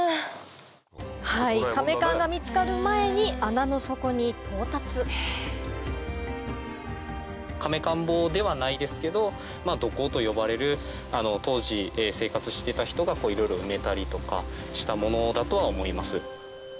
甕棺が見つかる前に穴の底に到達ですけど土坑と呼ばれる当時生活してた人がいろいろ埋めたりとかしたものだとは思います。